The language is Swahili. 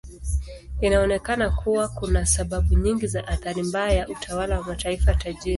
Inaonekana kuwa kuna sababu nyingi za athari mbaya ya utawala wa mataifa tajiri.